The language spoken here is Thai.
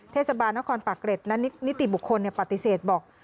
เทศบาลนครปากเกร็ดและนิติบุคคลปฏิเสธบอก